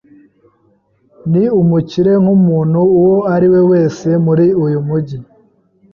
Ni umukire nkumuntu uwo ari we wese muri uyu mujyi.